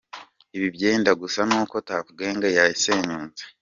Ibi byenda gusa nuko Tuff Gangz yasenyutse….